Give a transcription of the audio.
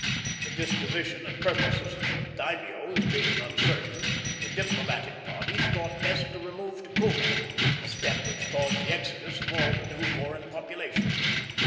The disposition and purposes of the daimios being uncertain, the diplomatic bodies thought best to remove to Kobé, a step which caused the exodus of all the new foreign population.